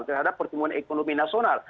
terhadap pertumbuhan ekonomi nasional